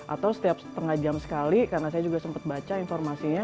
atau setiap setengah jam sekali karena saya juga sempat baca informasinya